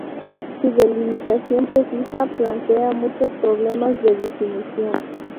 Su delimitación precisa plantea muchos problemas de definición.